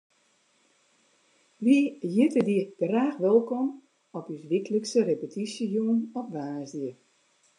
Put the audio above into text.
Wy hjitte dy graach wolkom op ús wyklikse repetysjejûn op woansdei.